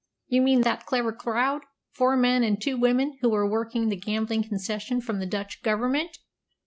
You mean that clever crowd four men and two women who were working the gambling concession from the Dutch Government!"